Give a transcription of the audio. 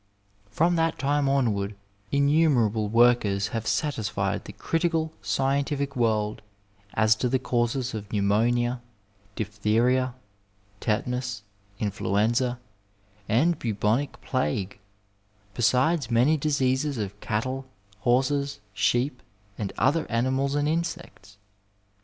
From that time onward innumerable workers have satisfied the critical scientific world as to the causes of pneumonia, diphtheria, tetanus, influenza, and bubonic plague, besides many diseases of cattie, horses, sheep, and other animals and insects.